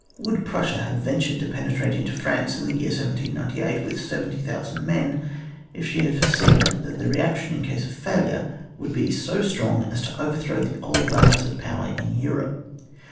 Would Prussia have ventured to pene trate into France in the year 1798 with 70,000 men, if she had foreseen that the reaction in case of failure would be so strong as to overthrow the old balance of power in Europe